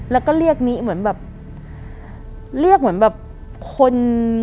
แล้วก็เรียกนิเหมือนแบบเรียกเหมือนแบบคน